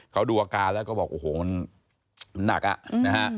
เขาดูอาการแล้วก็บอกโอ้โหมันหนักอ่ะนะฮะ